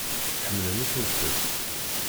Ḥemmlen ifelfel.